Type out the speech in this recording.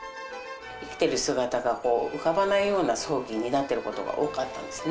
生きてる姿が浮かばないような葬儀になっていることが多かったんですね。